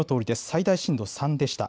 最大震度３でした。